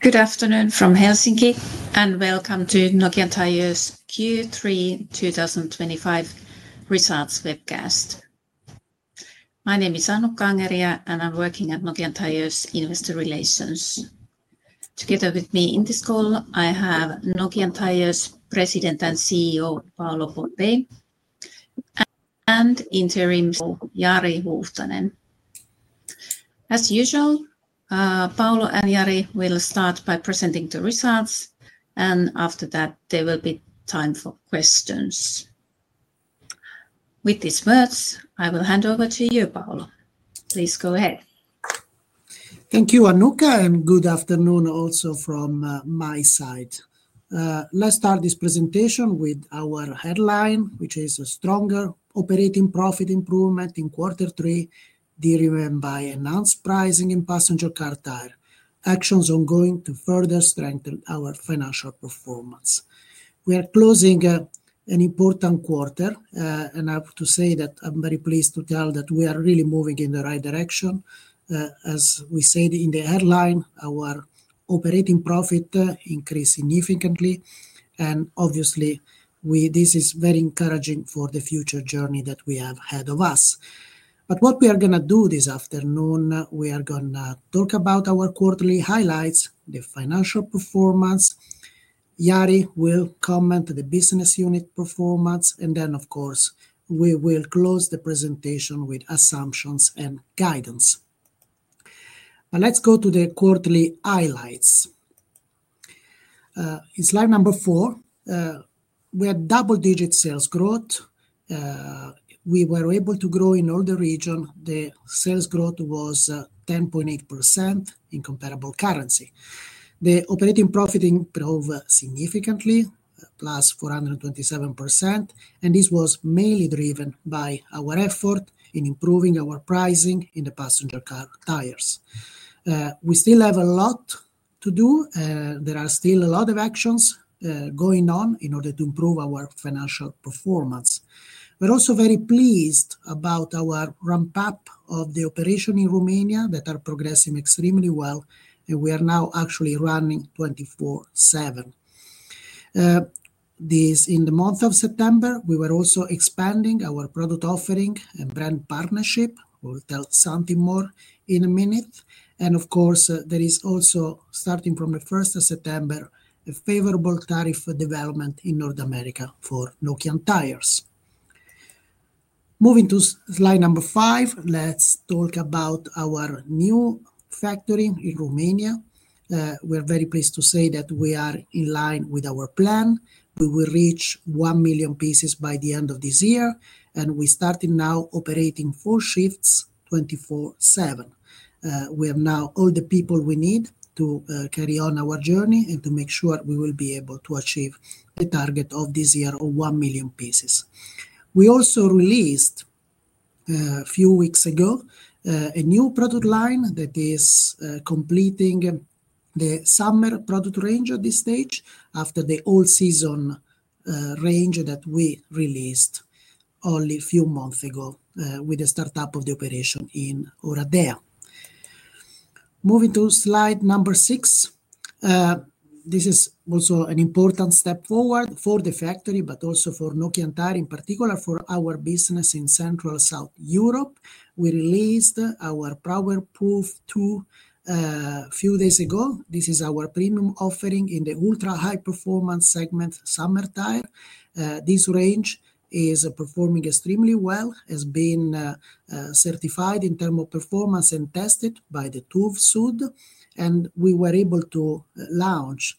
Good afternoon from Helsinki and welcome to Nokian Tyres Q3 2025 results webcast. My name is Annukka Angeria and I'm working at Nokian Tyres Investor Relations. Together with me in this call, I have Nokian Tyres President and CEO Paolo Pompei and Interim CEO Jari Huuhtanen. As usual, Paolo and Jari will start by presenting the results, and after that there will be time for questions. With these words, I will hand over to you, Paolo. Please go ahead. Thank you, Annukka. And good afternoon also from my side. Let's start this presentation with our headline, which is a stronger operating profit improvement in Q3 driven by enhanced pricing in Passenger Car Tyres. Actions ongoing to further strengthen our financial performance. We are closing an important quarter and I have to say that I'm very pleased to tell that we are really moving in the right direction. As we said in the headline, our operating profit increased significantly and obviously this is very encouraging for the future journey that we have ahead of us. What we are going to do this afternoon, we are going to talk about our quarterly highlights, the financial performance. Jari will comment on the business unit performance and then, of course, we will close the presentation with assumptions and guidance. Let's go to the quarterly highlights. In slide number 4, we had double-digit sales growth. We were able to grow in all the regions. The sales growth was 10.8% in comparable currency. The operating profit improved significantly, +427%, and this was mainly driven by our effort in improving our pricing in the Passenger Car Tyres. We still have a lot to do. There are still a lot of actions going on in order to improve our financial performance. We're also very pleased about our ramp-up of the operation in Romania that are progressing extremely well and we are now actually running 24/7. In the month of September, we were also expanding our product offering and brand partnership. We'll tell something more in a minute. Of course, there is also, starting from the 1st of September, a favorable tariff development in North America for Nokian Tyres. Moving to slide number 5, let's talk about our new factory in Romania. We're very pleased to say that we are in line with our plan. We will reach 1 million pieces by the end of this year and we started now operating full shifts 24/7. We have now all the people we need to carry on our journey and to make sure we will be able to achieve the target of this year of 1 million pieces. We also released a few weeks ago a new product line that is completing the summer product range at this stage after the all-season range that we released only a few months ago with the startup of the operation in Oradea. Moving to slide number 6, this is also an important step forward for the factory, but also for Nokian Tyres in particular for our business in Central and South Europe. We released our Powerproof 2 a few days ago. This is our premium offering in the ultra high-performance segment summer tire. This range is performing extremely well, has been certified in thermal performance and tested by TÜV SÜD, and we were able to launch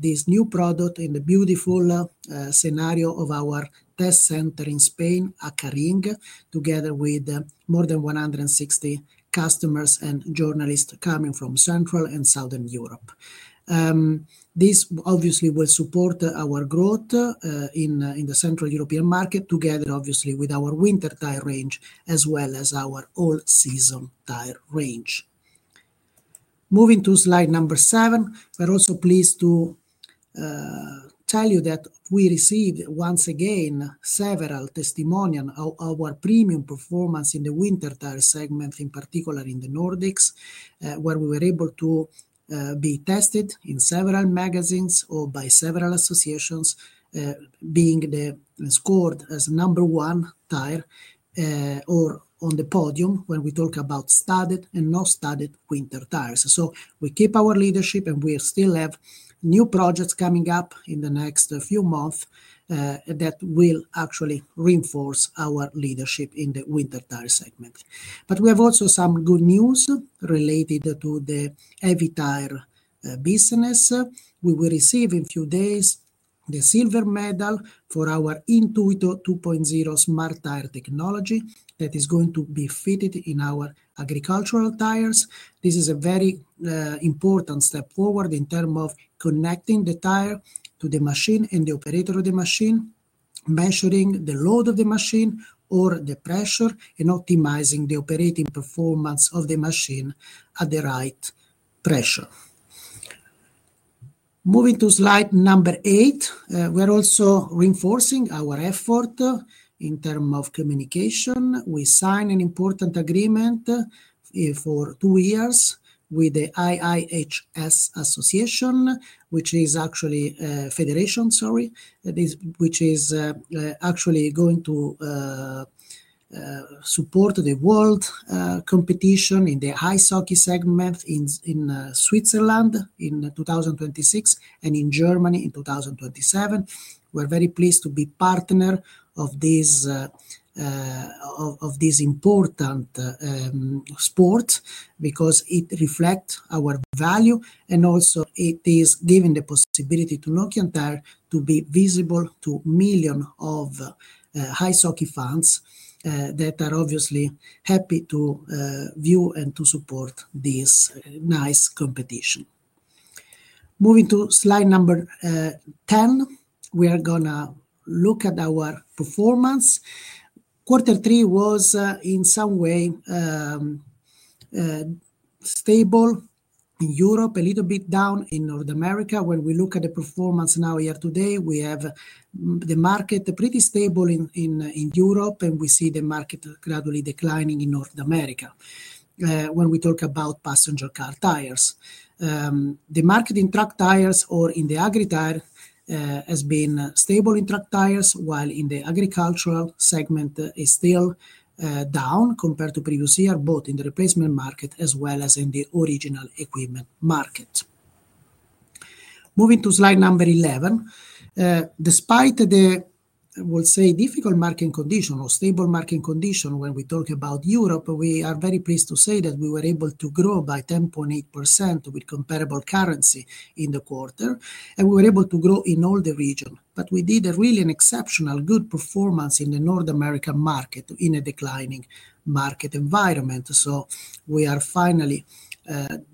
this new product in the beautiful scenario of our test center in Spain, Aca Ring, together with more than 160 customers and journalists coming from Central and Southern Europe. This obviously will support our growth in the Central European market together, obviously, with our winter tire range as well as our all-season tire range. Moving to slide number 7, we're also pleased to tell you that we received once again several testimonials of our premium performance in the winter tire segment, in particular in the Nordics, where we were able to be tested in several magazines or by several associations, being scored as number one tire or on the podium when we talk about studded and non-studded winter tires. We keep our leadership and we still have new projects coming up in the next few months that will actually reinforce our leadership in the winter tire segment. We have also some good news related to the heavy tire business. We will receive in a few days the silver medal for our Intuitu 2.0 smart tire technology that is going to be fitted in our agricultural tires. This is a very important step forward in terms of connecting the tire to the machine and the operator of the machine, measuring the load of the machine or the pressure, and optimizing the operating performance of the machine at the right pressure. Moving to slide number 8, we're also reinforcing our effort in terms of communication. We signed an important agreement for two years with the IIHF, which is actually a federation, sorry, which is actually going to support the world competition in the ice hockey segment in Switzerland in 2026 and in Germany in 2027. We're very pleased to be partners of these important sports because it reflects our value and also it is giving the possibility to Nokian Tyres to be visible to millions of ice hockey fans that are obviously happy to view and to support this nice competition. Moving to slide number 10, we are going to look at our performance. Quarter 3 was in some way stable in Europe, a little bit down in North America. When we look at the performance now, year to date, we have the market pretty stable in Europe, and we see the market gradually declining in North America when we talk about Passenger Car Tyres. The market in truck tires or in the agri tire has been stable in truck tires, while in the agricultural segment it's still down compared to previous years, both in the replacement market as well as in the original equipment market. Moving to slide number 11, despite the, I will say, difficult market condition or stable market condition when we talk about Europe, we are very pleased to say that we were able to grow by 10.8% with comparable currency in the quarter, and we were able to grow in all the regions. We did really an exceptionally good performance in the North American market in a declining market environment. We are finally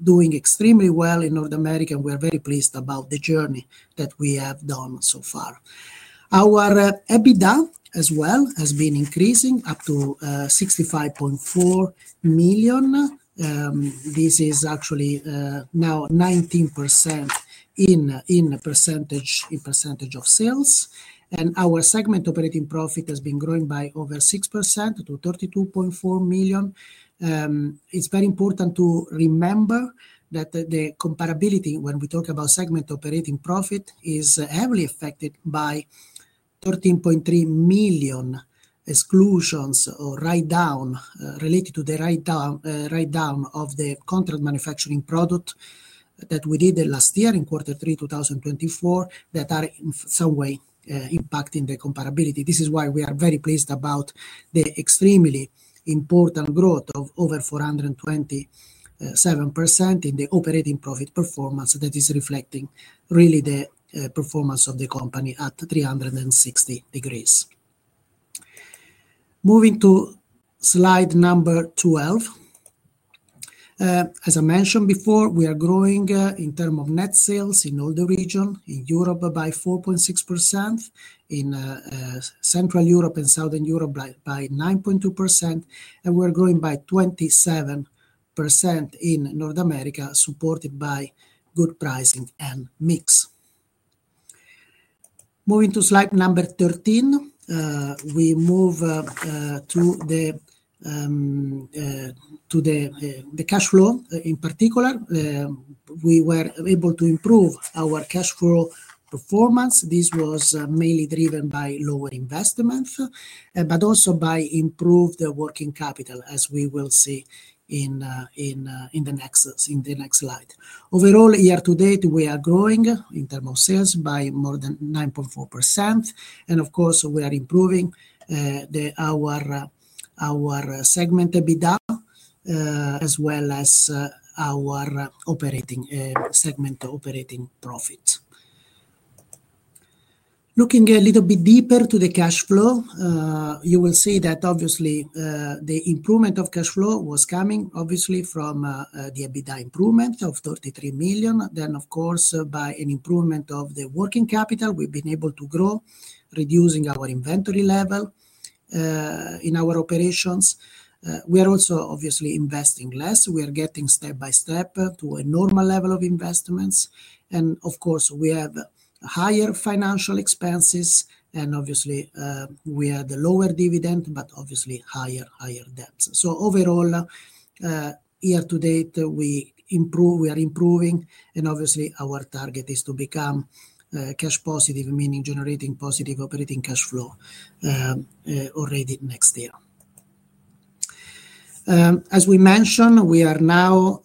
doing extremely well in North America, and we are very pleased about the journey that we have done so far. Our EBITDA as well has been increasing up to 65.4 million. This is actually now 19% in percentage of sales, and our segment operating profit has been growing by over 6% to 32.4 million. It's very important to remember that the comparability when we talk about segment operating profit is heavily affected by 13.3 million exclusions or write-down related to the write-down of the contract manufacturing product that we did last year in Q3 2024 that are in some way impacting the comparability. This is why we are very pleased about the extremely important growth of over 427% in the operating profit performance that is reflecting really the performance of the company at 360 degrees. Moving to slide number 12, as I mentioned before, we are growing in terms of net sales in all the regions, in Europe by 4.6%, in Central Europe and Southern Europe by 9.2%, and we're growing by 27% in North America, supported by good pricing and mix. Moving to slide number 13, we move to the cash flow in particular. We were able to improve our cash flow performance. This was mainly driven by lower investments, but also by improved working capital, as we will see in the next slide. Overall, year to date, we are growing in terms of sales by more than 9.4%, and of course we are improving our segment EBITDA as well as our operating segment operating profit. Looking a little bit deeper into the cash flow, you will see that obviously the improvement of cash flow was coming obviously from the EBITDA improvement of 33 million. Of course, by an improvement of the working capital, we've been able to grow, reducing our inventory level in our operations. We are also obviously investing less. We are getting step by step to a normal level of investments, and of course we have higher financial expenses, and obviously we had a lower dividend, but obviously higher debt. Overall, year to date, we are improving, and obviously our target is to become cash positive, meaning generating positive operating cash flow already next year. As we mentioned, we are now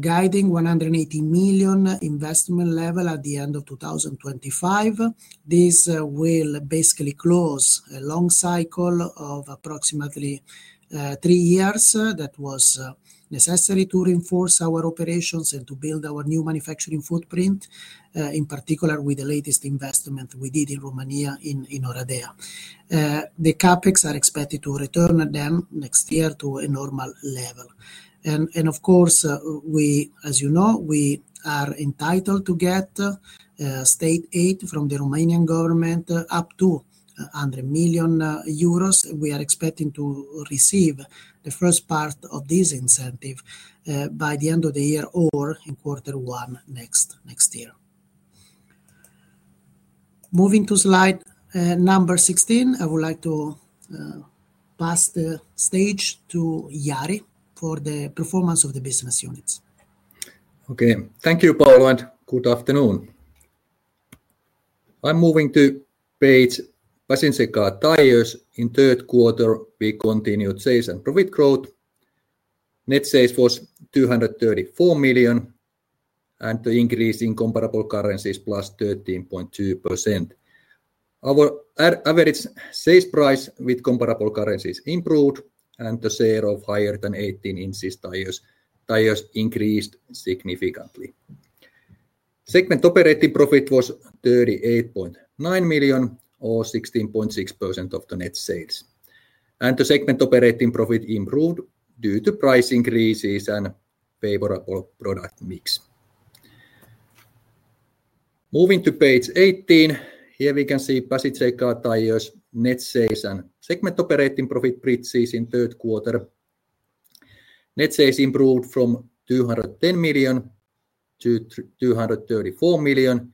guiding 180 million investment level at the end of 2025. This will basically close a long cycle of approximately three years that was necessary to reinforce our operations and to build our new manufacturing footprint, in particular with the latest investment we did in Romania in Oradea. The CapEx are expected to return again next year to a normal level. As you know, we are entitled to get state aid from the Romanian government up to 100 million euros. We are expecting to receive the first part of this incentive by the end of the year or in Q1 next year. Moving to slide number 16, I would like to pass the stage to Jari for the performance of the business units. Okay, thank you, Paolo, and good afternoon. I'm moving to page Passenger Car Tyres. In third quarter, we continued sales and profit growth. Net sales was 234 million and the increase in comparable currencies was +13.2%. Our average sales price with comparable currencies improved and the share of higher than 18 inches tires increased significantly. Segment operating profit was 38.9 million or 16.6% of the net sales. The segment operating profit improved due to price increases and favorable product mix. Moving to page 18, here we can see Passenger Car Tyres' net sales and segment operating profit predictions in third quarter. Net sales improved from 210 million to 234 million,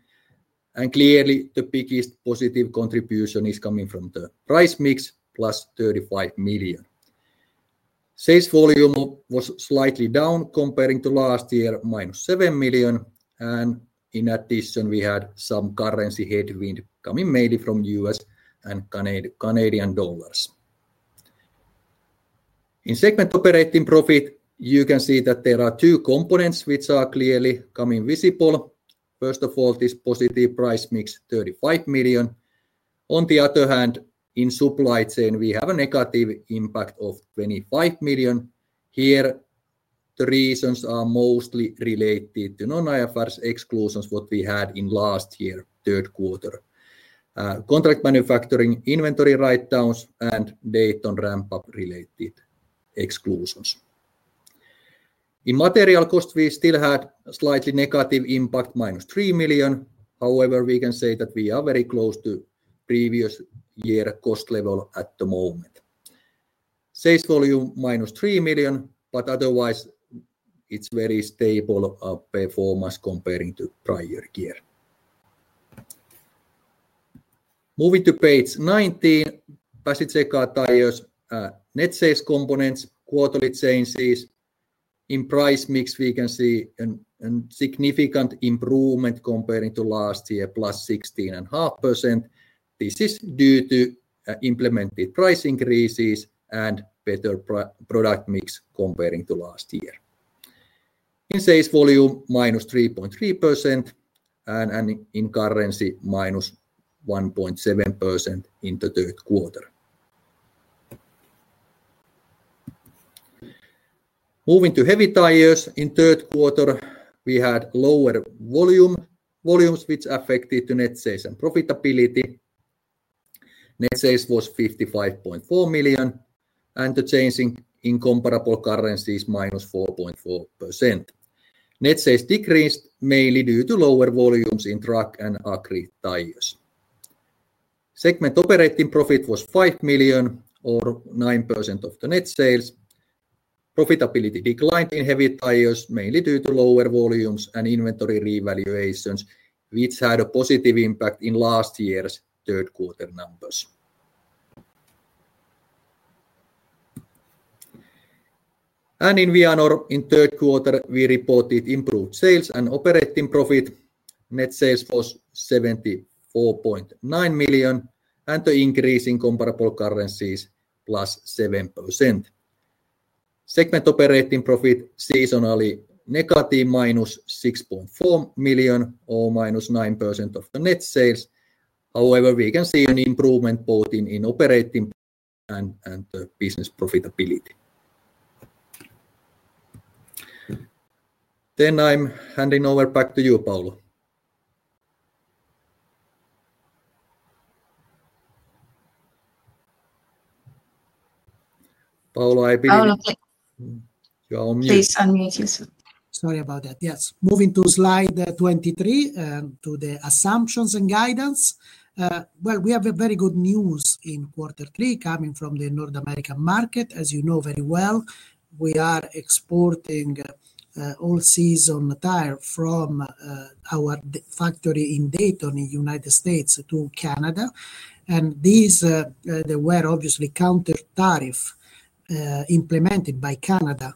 and clearly the biggest positive contribution is coming from the price/mix, +35 million. Sales volume was slightly down compared to last year, -7 million, and in addition, we had some currency headwind coming mainly from U.S. and Canadian dollars. In segment operating profit, you can see that there are two components which are clearly becoming visible. First of all, this positive price/mix, 35 million. On the other hand, in supply chain, we have a negative impact of 25 million. Here, the reasons are mostly related to non-IFRS exclusions we had in last year, third quarter. Contract manufacturing, inventory write-downs, and data on ramp-up related exclusions. In material cost, we still had slightly negative impact, -3 million. However, we can say that we are very close to previous year cost level at the moment. Sales volume -3 million, but otherwise, it's very stable performance compared to prior year. Moving to page 19, Passenger Car Tyres' net sales components, quarterly change is in price/mix. We can see a significant improvement compared to last year, +16.5%. This is due to implemented price increases and better product mix compared to last year. In sales volume, -3.3% and in currency -1.7% in the third quarter. Moving to Heavy Tyres, in third quarter, we had lower volumes which affected net sales and profitability. Net sales was 55.4 million and the change in comparable currencies was -4.4%. Net sales decreased mainly due to lower volumes in truck and agri tires. Segment operating profit was 5 million or 9% of the net sales. Profitability declined in Heavy Tyres, mainly due to lower volumes and inventory revaluations, which had a positive impact in last year's third quarter numbers. In Vianor, in third quarter, we reported improved sales and operating profit. Net sales was 74.9 million and the increase in comparable currencies was +7%. Segment operating profit seasonally negative, -6.4 million or -9% of the net sales. However, we can see an improvement both in operating and business profitability. I'm handing over back to you, Paolo. Paolo, I believe... Anna, please. Yeah, on mute. Please unmute yourself. Sorry about that. Yes. Moving to slide 23 to the assumptions and guidance. We have very good news in quarter three coming from the North American market. As you know very well, we are exporting all-season tires from our factory in Dayton, in the United States, to Canada. These were obviously counter tariffs implemented by Canada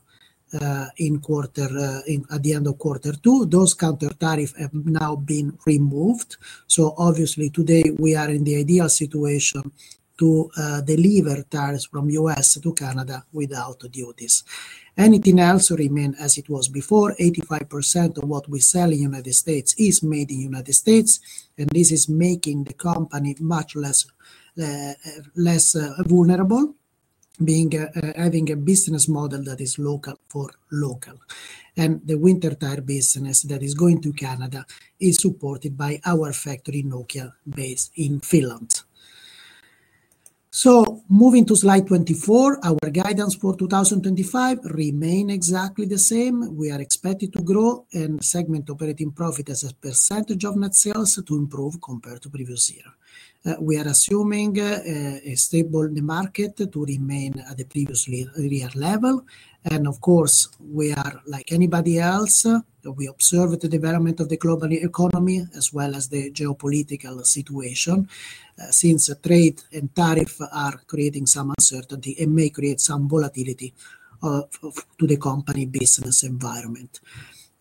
at the end of quarter two. Those counter tariffs have now been removed. Obviously, today we are in the ideal situation to deliver tires from the U.S. to Canada without duties. Anything else remains as it was before. 85% of what we sell in the United States is made in the United States, and this is making the company much less vulnerable, having a business model that is local for local. The winter tire business that is going to Canada is supported by our factory in Nokian based in Finland. Moving to slide 24, our guidance for 2025 remains exactly the same. We are expected to grow and segment operating profit as a percentage of net sales to improve compared to previous year. We are assuming a stable market to remain at the previous year level. Of course, we are like anybody else, we observe the development of the global economy as well as the geopolitical situation. Since trade and tariffs are creating some uncertainty and may create some volatility to the company business environment.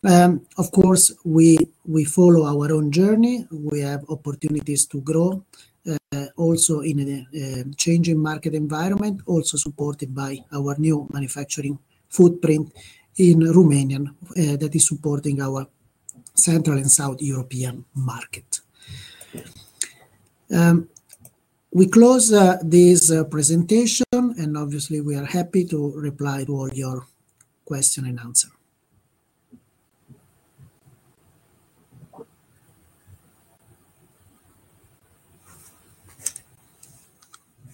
Of course, we follow our own journey. We have opportunities to grow also in a changing market environment, also supported by our new manufacturing footprint in Romania that is supporting our Central and South European market. We close this presentation, and obviously we are happy to reply to all your questions and answers.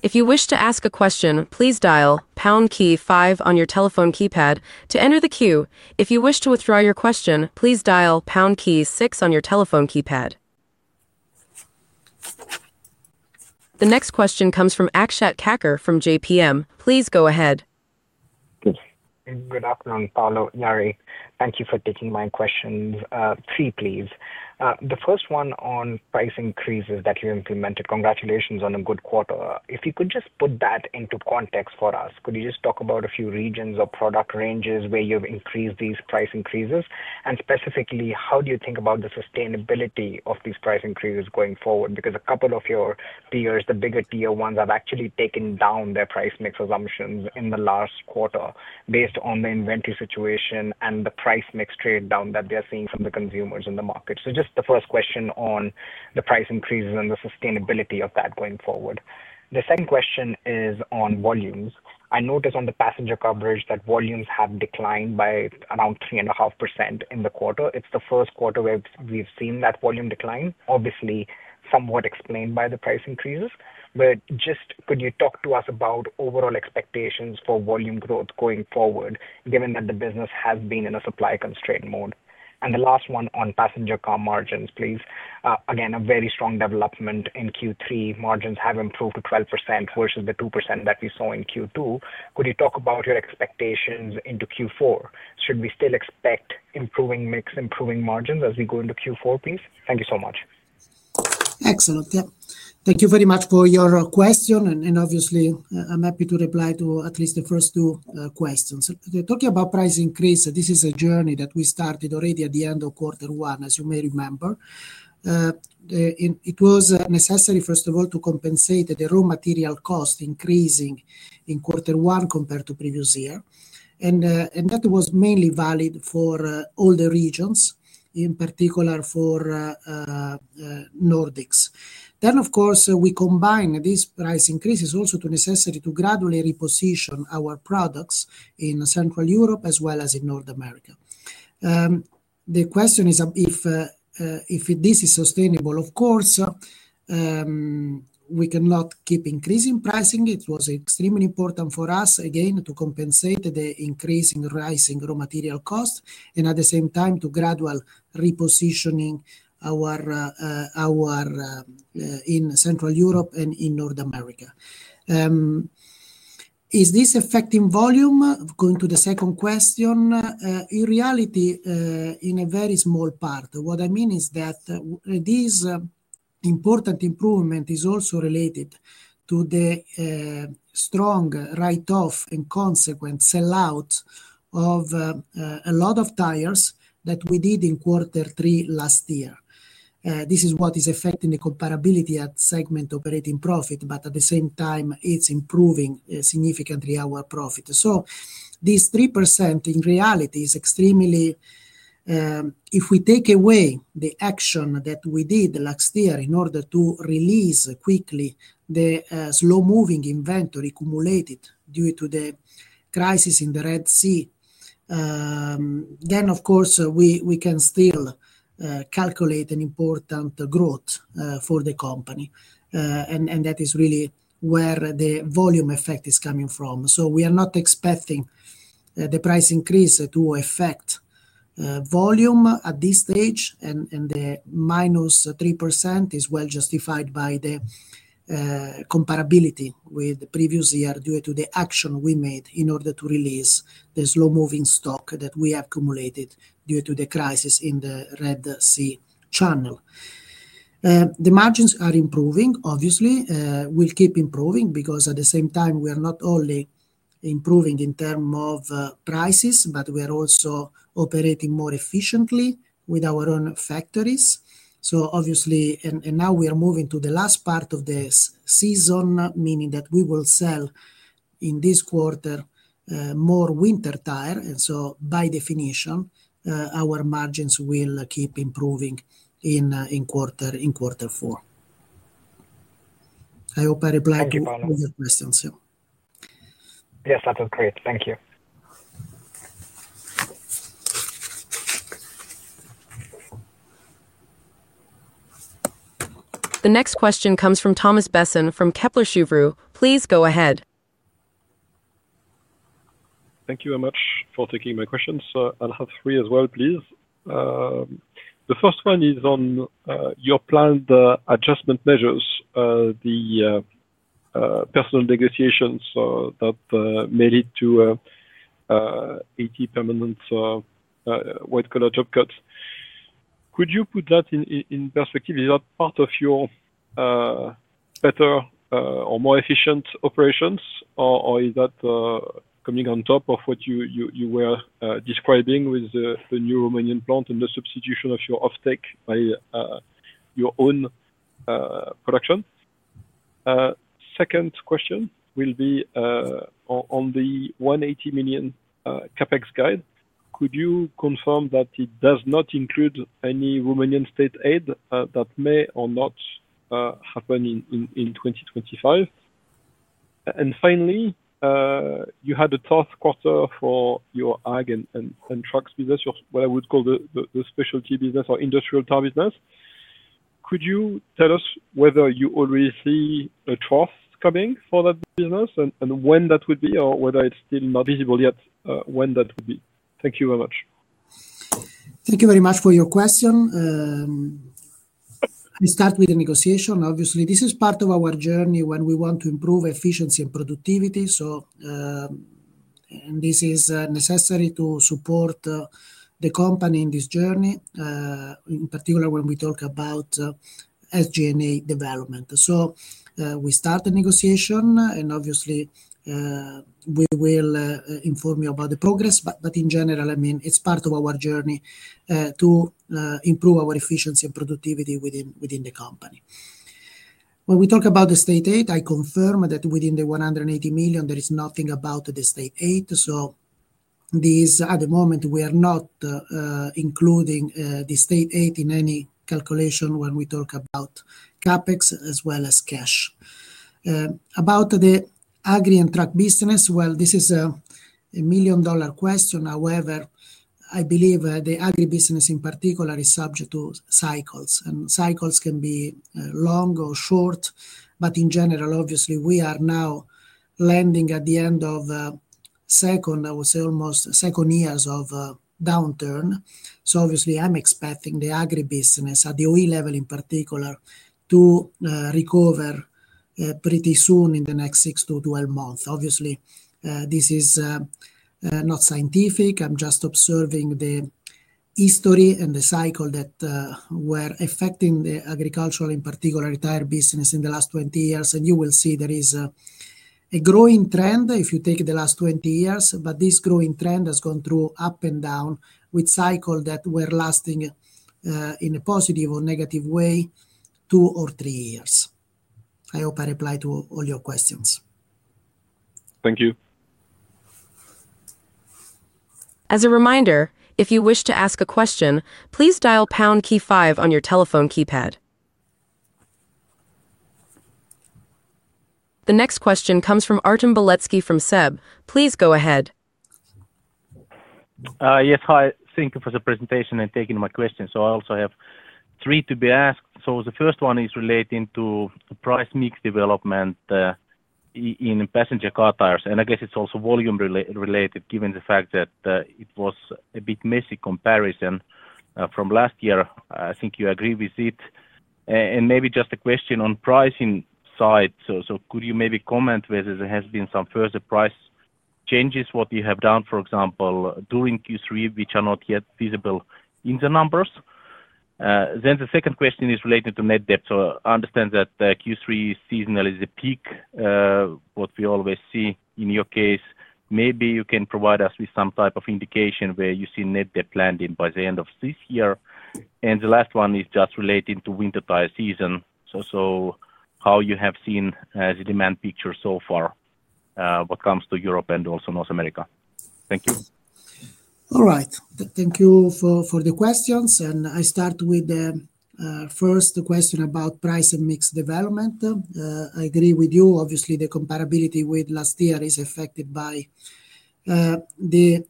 If you wish to ask a question, please dial pound key five on your telephone keypad to enter the queue. If you wish to withdraw your question, please dial pound key six on your telephone keypad. The next question comes from Akshat Kacker from JPM. Please go ahead. Good afternoon, Paolo, Jari. Thank you for taking my questions. Three, please. The first one on price increases that you implemented. Congratulations on a good quarter. If you could just put that into context for us, could you just talk about a few regions or product ranges where you've increased these price increases? Specifically, how do you think about the sustainability of these price increases going forward? A couple of your peers, the bigger tier ones, have actually taken down their price/mix assumptions in the last quarter based on the inventory situation and the price/mix trade down that they're seeing from the consumers in the market. Just the first question on the price increases and the sustainability of that going forward. The second question is on volumes. I noticed on the passenger coverage that volumes have declined by around 3.5% in the quarter. It's the first quarter where we've seen that volume decline, obviously somewhat explained by the price increases. Could you talk to us about overall expectations for volume growth going forward, given that the business has been in a supply constrained mode? The last one on Passenger Car margins, please. Again, a very strong development in Q3. Margins have improved to 12% versus the 2% that we saw in Q2. Could you talk about your expectations into Q4? Should we still expect improving mix, improving margins as we go into Q4? Please, thank you so much. Excellent. Yeah, thank you very much for your question. Obviously, I'm happy to reply to at least the first two questions. Talking about price increase, this is a journey that we started already at the end of quarter one, as you may remember. It was necessary, first of all, to compensate the raw material cost increasing in quarter one compared to previous year. That was mainly valid for all the regions, in particular for the Nordics. Of course, we combined these price increases also to necessity to gradually reposition our products in Central Europe as well as in North America. The question is if this is sustainable. Of course, we cannot keep increasing pricing. It was extremely important for us, again, to compensate the increasing rising raw material costs and at the same time to gradual repositioning our in Central Europe and in North America. Is this affecting volume? Going to the second question. In reality, in a very small part. What I mean is that this important improvement is also related to the strong write-off and consequent sell-out of a lot of tires that we did in quarter three last year. This is what is affecting the comparability at segment operating profit, but at the same time, it's improving significantly our profit. This 3% in reality is extremely, if we take away the action that we did last year in order to release quickly the slow-moving inventory accumulated due to the crisis in the Red Sea, we can still calculate an important growth for the company. That is really where the volume effect is coming from. We are not expecting the price increase to affect volume at this stage, and the -3% is well justified by the comparability with the previous year due to the action we made in order to release the slow-moving stock that we have accumulated due to the crisis in the Red Sea channel. The margins are improving, obviously. We'll keep improving because at the same time we are not only improving in terms of prices, but we are also operating more efficiently with our own factories. Obviously, and now we are moving to the last part of the season, meaning that we will sell in this quarter more winter tires. By definition, our margins will keep improving in quarter four. I hope I replied to all your questions. Yes, that was great. Thank you. The next question comes from Thomas Besson from Kepler Cheuvreux. Please go ahead. Thank you very much for taking my questions. I'll have three as well, please. The first one is on your planned adjustment measures, the personnel negotiations that may lead to 80 permanent white-collar job cuts. Could you put that in perspective? Is that part of your better or more efficient operations? Or is that coming on top of what you were describing with the new Romanian plant and the substitution of your off-take by your own production? Second question will be on the $180 million CapEx guide. Could you confirm that it does not include any Romanian state aid that may or may not happen in 2025? Finally, you had a tough quarter for your ag and trucks business, what I would call the specialty business or industrial tire business. Could you tell us whether you already see a trust coming for that business and when that would be or whether it's still not visible yet when that would be? Thank you very much. Thank you very much for your question. We start with the negotiation. Obviously, this is part of our journey when we want to improve efficiency and productivity. This is necessary to support the company in this journey, in particular when we talk about SG&A development. We start the negotiation and obviously we will inform you about the progress. In general, it's part of our journey to improve our efficiency and productivity within the company. When we talk about the state aid, I confirm that within the $180 million, there is nothing about the state aid. At the moment, we are not including the state aid in any calculation when we talk about CapEx as well as cash. About the agri and truck business, this is a million-dollar question. I believe the agri business in particular is subject to cycles. Cycles can be long or short. In general, obviously, we are now landing at the end of the second, I would say, almost second years of downturn. Obviously, I'm expecting the agri business at the OE level in particular to recover pretty soon in the next 6-12 months. This is not scientific. I'm just observing the history and the cycle that were affecting the agricultural, in particular, tire business in the last 20 years. You will see there is a growing trend if you take the last 20 years, but this growing trend has gone through up and down with cycles that were lasting in a positive or negative way two or three years. I hope I replied to all your questions. Thank you. As a reminder, if you wish to ask a question, please dial the pound key five on your telephone keypad. The next question comes from Artem Beletski from SEB. Please go ahead. Yes, hi. Thank you for the presentation and taking my questions. I also have three to be asked. The first one is relating to price/mix development in Passenger Car Tyres. I guess it's also volume-related given the fact that it was a bit messy comparison from last year. I think you agree with it. Maybe just a question on the pricing side. Could you maybe comment whether there have been some further price changes, what you have done, for example, during Q3, which are not yet visible in the numbers? The second question is related to net debt. I understand that Q3 seasonal is a peak, what we always see in your case. Maybe you can provide us with some type of indication where you see net debt landing by the end of this year. The last one is just relating to winter tire season. How have you seen the demand picture so far, what comes to Europe and also North America? Thank you. All right. Thank you for the questions. I start with the first question about price and mix development. I agree with you. Obviously, the comparability with last year is affected by the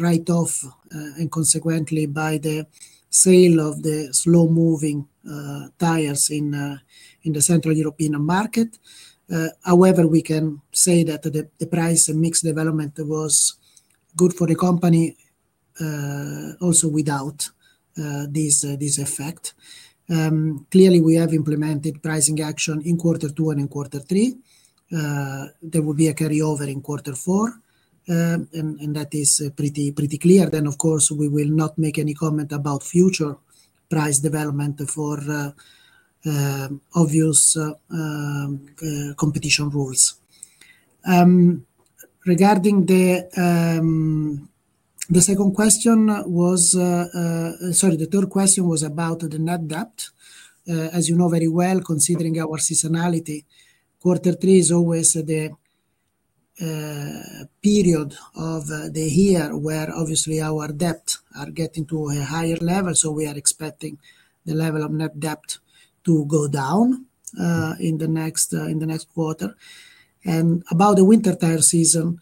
write-off and consequently by the sale of the slow-moving tires in the Central European market. However, we can say that the price and mix development was good for the company also without this effect. Clearly, we have implemented pricing action in quarter two and in quarter three. There will be a carryover in quarter four, and that is pretty clear. Of course, we will not make any comment about future price development for obvious competition rules. The third question was about the net debt. As you know very well, considering our seasonality, quarter three is always the period of the year where obviously our debts are getting to a higher level. We are expecting the level of net debt to go down in the next quarter. About the winter tire season,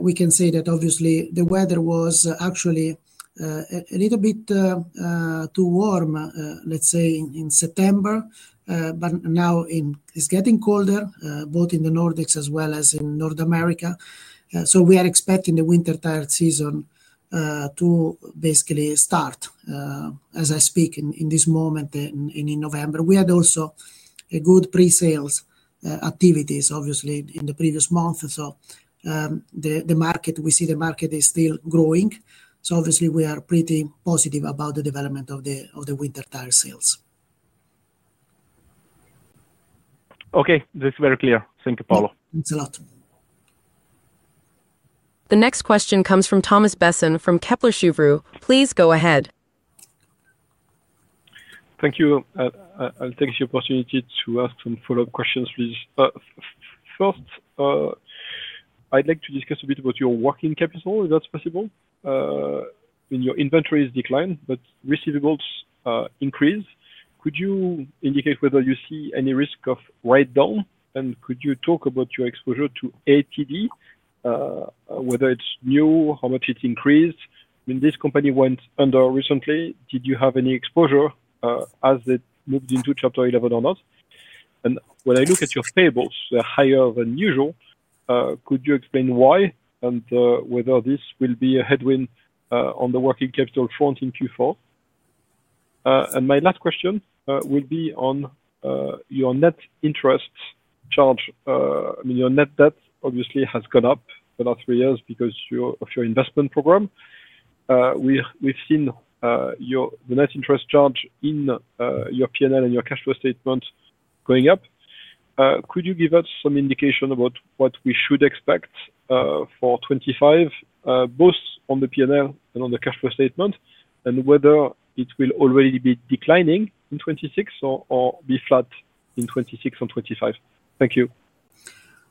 we can say that obviously the weather was actually a little bit too warm, let's say, in September. Now it's getting colder, both in the Nordics as well as in North America. We are expecting the winter tire season to basically start, as I speak, in this moment in November. We had also good pre-sales activities, obviously, in the previous month. We see the market is still growing. Obviously, we are pretty positive about the development of the winter tire sales. Okay, that's very clear. Thank you, Paolo. Thanks a lot. The next question comes from Thomas Besson from Kepler Cheuvreux. Please go ahead. Thank you. I'll take the opportunity to ask some follow-up questions, please. First, I'd like to discuss a bit about your working capital, if that's possible. I mean, your inventory has declined, but receivables increase. Could you indicate whether you see any risk of write-down? Could you talk about your exposure to ATD, whether it's new, how much it increased? I mean, this company went under recently. Did you have any exposure as it moved into Chapter 11 or not? When I look at your payables, they're higher than usual. Could you explain why and whether this will be a headwind on the working capital front in Q4? My last question will be on your net interest charge. I mean, your net debt obviously has gone up the last three years because of your investment program. We've seen the net interest charge in your P&L and your cash flow statement going up. Could you give us some indication about what we should expect for 2025, both on the P&L and on the cash flow statement, and whether it will already be declining in 2026 or be flat in 2026 or 2025? Thank you.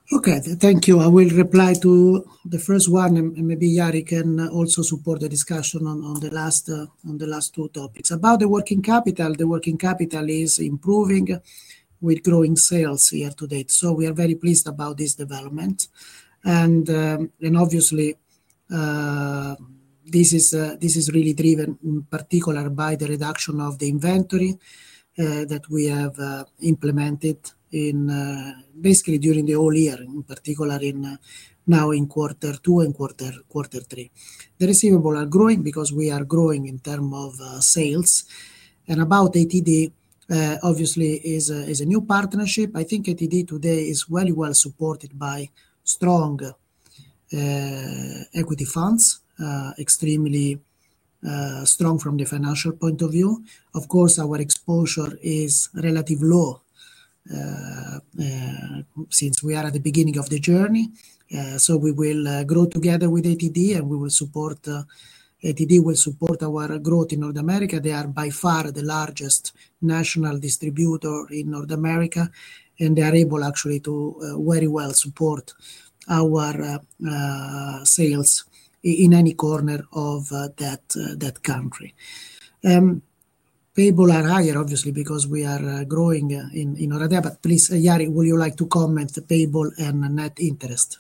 Okay, thank you. I will reply to the first one, and maybe Jari can also support the discussion on the last two topics. About the working capital, the working capital is improving with growing sales year to date. We are very pleased about this development. Obviously, this is really driven in particular by the reduction of the inventory that we have implemented basically during the whole year, in particular now in quarter two and quarter three. The receivables are growing because we are growing in terms of sales. About ATD, obviously, it is a new partnership. I think ATD today is very well supported by strong equity funds, extremely strong from the financial point of view. Of course, our exposure is relatively low since we are at the beginning of the journey. We will grow together with ATD, and we will support ATD will support our growth in North America. They are by far the largest national distributor in North America, and they are able actually to very well support our sales in any corner of that country. Payables are higher, obviously, because we are growing in Oradea. Please, Jari, would you like to comment the payable and net interest?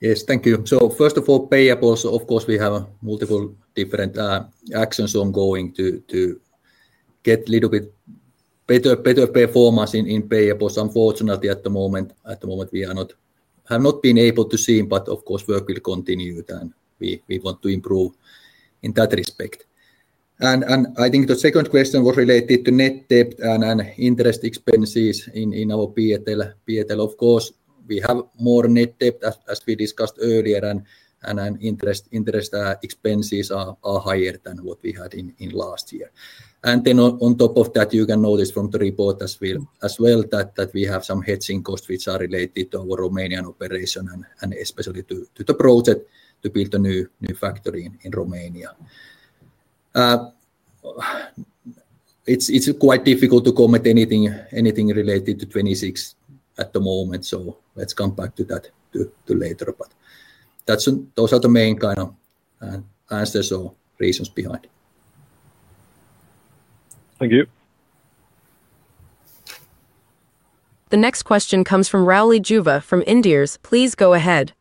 Yes, thank you. First of all, payables, of course, we have multiple different actions ongoing to get a little bit better performance in payables. Unfortunately, at the moment, we have not been able to see, but of course, work will continue and we want to improve in that respect. I think the second question was related to net debt and interest expenses in our P&L. Of course, we have more net debt, as we discussed earlier, and interest expenses are higher than what we had in last year. On top of that, you can notice from the report as well that we have some heads in costs which are related to our Romanian operation and especially to the project to build a new factory in Romania. It's quite difficult to comment on anything related to 2026 at the moment, so let's come back to that later. Those are the main kind of answers or reasons behind. Thank you. The next question comes from Rauli Juva from Inderes. Please go ahead.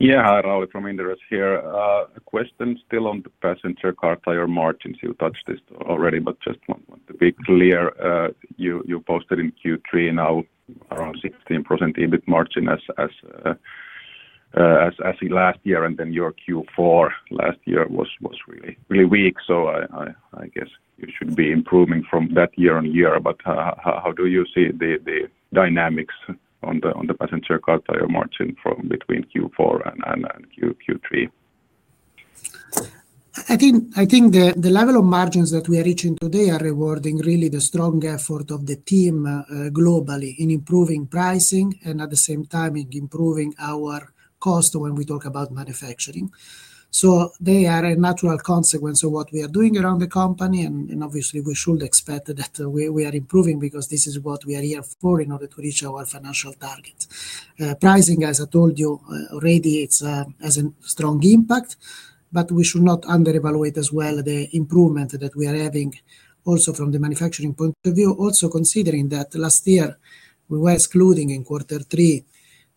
Yeah, hi, Rauli from Inderes here. A question still on the Passenger Car Tyres margins. You touched this already, but just want to be clear. You posted in Q3 now around 16% EBIT margin as last year, and then your Q4 last year was really weak. I guess you should be improving from that year on year. How do you see the dynamics on the Passenger Car Tyres margin from between Q4 and Q3? I think the level of margins that we are reaching today are rewarding really the strong effort of the team globally in improving pricing and at the same time in improving our cost when we talk about manufacturing. They are a natural consequence of what we are doing around the company. Obviously, we should expect that we are improving because this is what we are here for in order to reach our financial targets. Pricing, as I told you already, it has a strong impact, but we should not underevaluate as well the improvement that we are having also from the manufacturing point of view, also considering that last year we were excluding in quarter three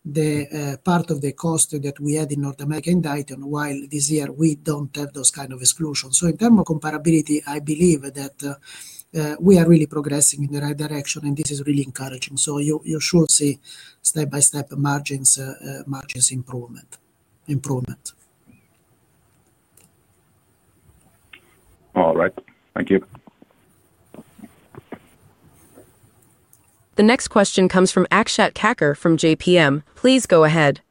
the part of the cost that we had in North America in Dayton, while this year we don't have those kinds of exclusions. In terms of comparability, I believe that we are really progressing in the right direction and this is really encouraging. You should see step-by-step margins improvement. All right. Thank you. The next question comes from Akshat Kacker from JPM. Please go ahead.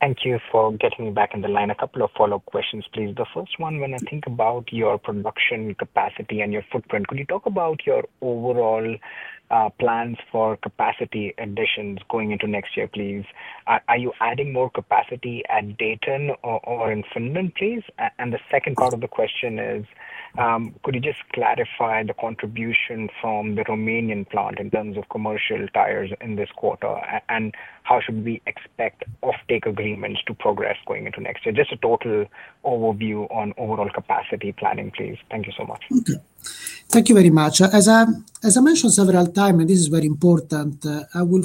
Thank you for getting me back on the line. A couple of follow-up questions, please. The first one, when I think about your production capacity and your footprint, could you talk about your overall plans for capacity additions going into next year, please? Are you adding more capacity at Dayton or in Finland, please? The second part of the question is, could you just clarify the contribution from the Romanian plant in terms of commercial tires in this quarter? How should we expect off-take agreements to progress going into next year? Just a total overview on overall capacity planning, please. Thank you so much. Okay. Thank you very much. As I mentioned several times, and this is very important, we will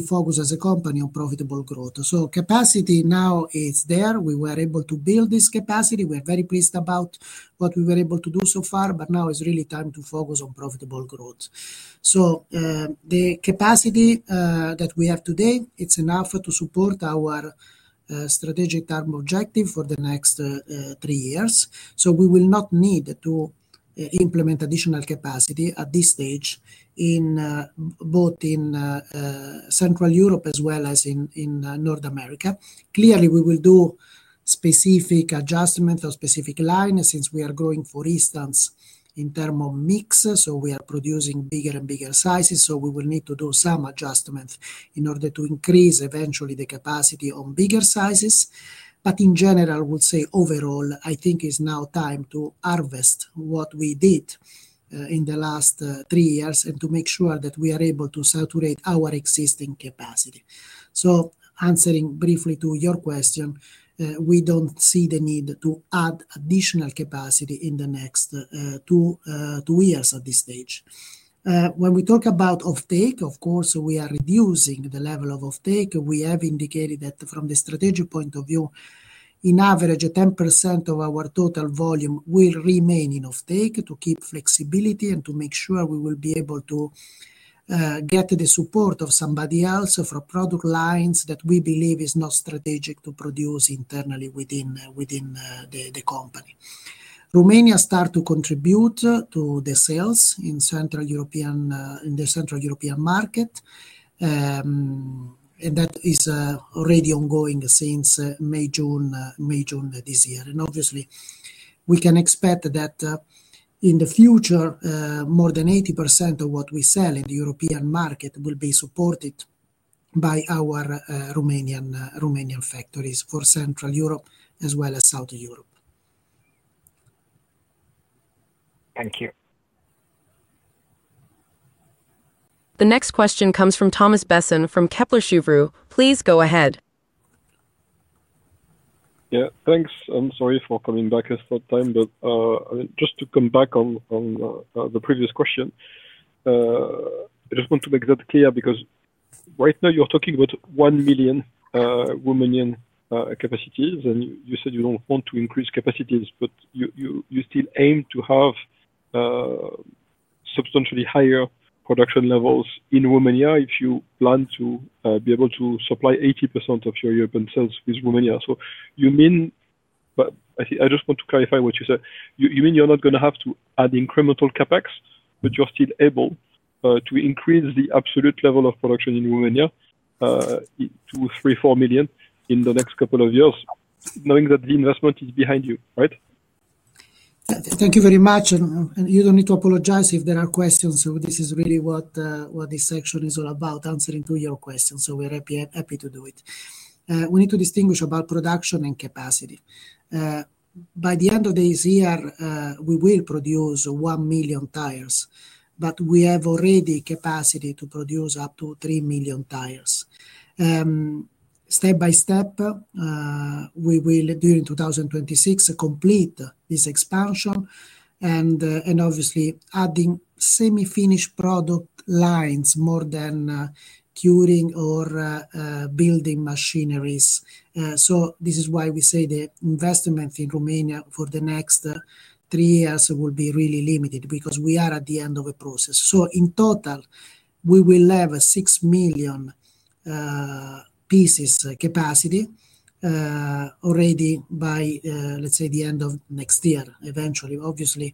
focus as a company on profitable growth. Capacity now is there. We were able to build this capacity. We are very pleased about what we were able to do so far, but now it's really time to focus on profitable growth. The capacity that we have today, it's enough to support our strategic term objective for the next three years. We will not need to implement additional capacity at this stage in both Central Europe as well as in North America. Clearly, we will do specific adjustments or specific lines since we are growing, for instance, in terms of mix. We are producing bigger and bigger sizes. We will need to do some adjustments in order to increase eventually the capacity on bigger sizes. In general, I would say overall, I think it's now time to harvest what we did in the last three years and to make sure that we are able to saturate our existing capacity. Answering briefly to your question, we don't see the need to add additional capacity in the next two years at this stage. When we talk about off-take, of course, we are reducing the level of off-take. We have indicated that from the strategic point of view, in average, 10% of our total volume will remain in off-take to keep flexibility and to make sure we will be able to get the support of somebody else for product lines that we believe is not strategic to produce internally within the company. Romania starts to contribute to the sales in the Central European market, and that is already ongoing since May, June this year. Obviously, we can expect that in the future, more than 80% of what we sell in the European market will be supported by our Romanian factories for Central Europe as well as South Europe. Thank you. The next question comes from Thomas Besson from Kepler Cheuvreux. Please go ahead. Yeah, thanks. I'm sorry for coming back a short time, but just to come back on the previous question, I just want to make that clear because right now you're talking about 1 million Romanian capacities, and you said you don't want to increase capacities, but you still aim to have substantially higher production levels in Romania if you plan to be able to supply 80% of your European sales with Romania. I just want to clarify what you said. You mean you're not going to have to add incremental CapEx, but you're still able to increase the absolute level of production in Romania to three, four million in the next couple of years, knowing that the investment is behind you, right? Thank you very much. You don't need to apologize if there are questions. This is really what this section is all about, answering to your questions. We're happy to do it. We need to distinguish about production and capacity. By the end of this year, we will produce 1 million tires, but we have already capacity to produce up to 3 million tires. Step by step, we will, during 2026, complete this expansion and obviously adding semi-finished product lines more than curing or building machineries. This is why we say the investment in Romania for the next three years will be really limited because we are at the end of a process. In total, we will have 6 million pieces capacity already by, let's say, the end of next year, eventually. Obviously,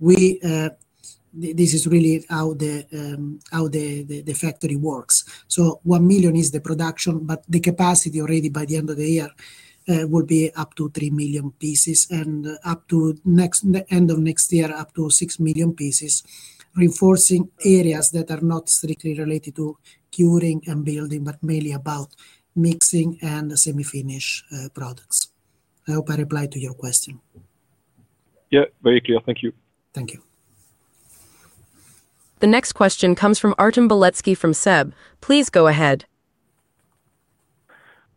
this is really how the factory works. 1 million is the production, but the capacity already by the end of the year will be up to 3 million pieces and up to the end of next year, up to 6 million pieces, reinforcing areas that are not strictly related to curing and building, but mainly about mixing and semi-finished products. I hope I replied to your question. Yeah, very clear. Thank you. Thank you. The next question comes from Artem Beletski from SEB. Please go ahead.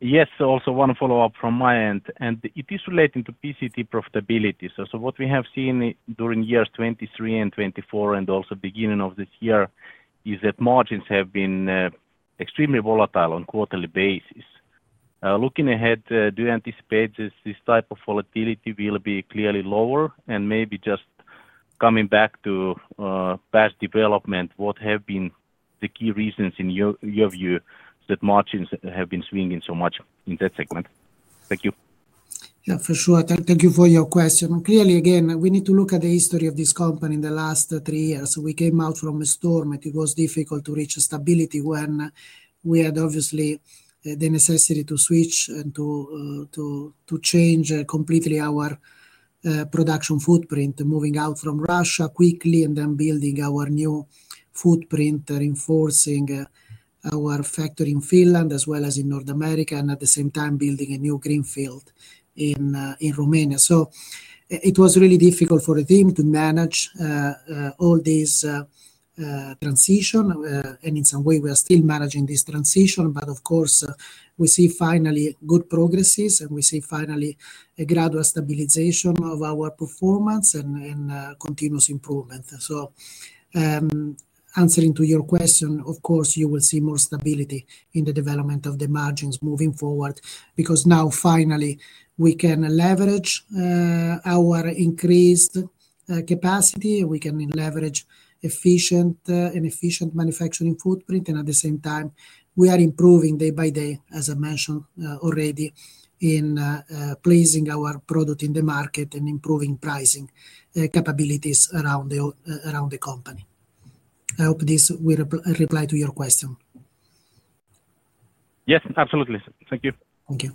Yes, also one follow-up from my end. It is relating to PCT profitability. What we have seen during years 2023 and 2024 and also the beginning of this year is that margins have been extremely volatile on a quarterly basis. Looking ahead, do you anticipate this type of volatility will be clearly lower? Maybe just coming back to past development, what have been the key reasons in your view that margins have been swinging so much in that segment? Thank you. Yeah, for sure. Thank you for your question. Clearly, again, we need to look at the history of this company in the last three years. We came out from a storm and it was difficult to reach stability when we had obviously the necessity to switch and to change completely our production footprint, moving out from Russia quickly and then building our new footprint, reinforcing our factory in Finland as well as in North America, and at the same time building a new greenfield in Romania. It was really difficult for the team to manage all these transitions. In some way, we are still managing this transition. Of course, we see finally good progress and we see finally a gradual stabilization of our performance and continuous improvement. Answering to your question, of course, you will see more stability in the development of the margins moving forward because now finally we can leverage our increased capacity. We can leverage an efficient manufacturing footprint. At the same time, we are improving day by day, as I mentioned already, in placing our product in the market and improving pricing capabilities around the company. I hope this will reply to your question. Yes, absolutely. Thank you. Thank you.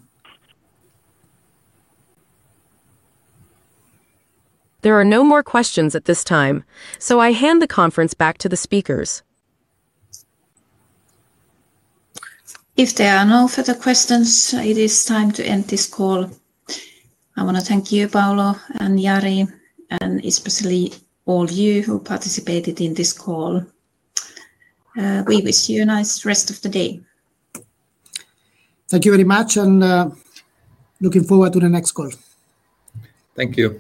There are no more questions at this time. I hand the conference back to the speakers. If there are no further questions, it is time to end this call. I want to thank you, Paolo, and Jari, and especially all you who participated in this call. We wish you a nice rest of the day. Thank you very much, and looking forward to the next call. Thank you.